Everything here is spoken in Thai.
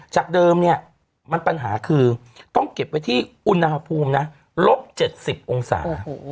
จากเดิมมันปัญหาคือต้องเก็บที่อุณหภูมิลบ๗๐องศา